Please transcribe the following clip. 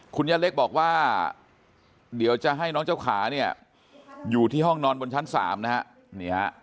คุณย่าเล็กบอกว่าเดี๋ยวจะให้น้องเจ้าขาเนี่ยอยู่ที่ห้องนอนบนชั้น๓นะฮะ